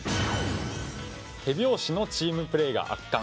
手拍子のチームプレーが圧巻！